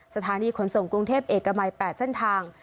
สถานีขนส่งกรุงเทพเอกมัย๘เส้นทาง